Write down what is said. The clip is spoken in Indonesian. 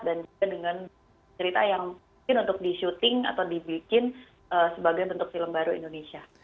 juga dengan cerita yang mungkin untuk disyuting atau dibikin sebagai bentuk film baru indonesia